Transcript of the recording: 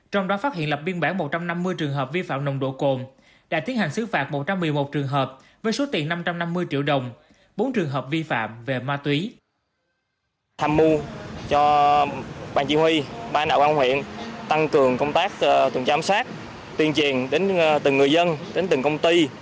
trong đó phát hiện lập biên bản một trăm năm mươi trường hợp vi phạm nồng độ cồn